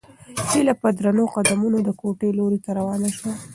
هیله په درنو قدمونو د کوټې لوري ته روانه شوه.